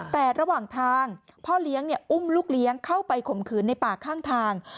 แต่ระหว่างทางพ่อเลี้ยงอุ้มลูกเลี้ยงเข้าไปข่มขืนในป่าข้างทาง